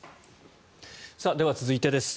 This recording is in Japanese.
では、続いてです。